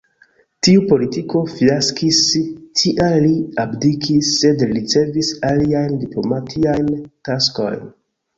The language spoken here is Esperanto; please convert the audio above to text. Tiu politiko fiaskis, tial li abdikis, sed li ricevis aliajn diplomatiajn taskojn.